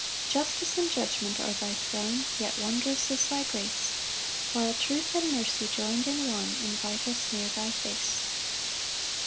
6 Justice and judgment are thy throne, Yet wondrous is thy grace; While truth and mercy join'd in one Invite us near thy face.